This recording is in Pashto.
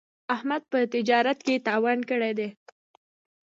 احمد په تجارت کې تاوان کړی دی.